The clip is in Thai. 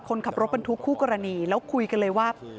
คนขับรถบรรทุกคู่กรณีแล้วคุยกันเลยว่า